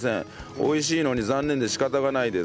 美味しいのに残念で仕方がないです。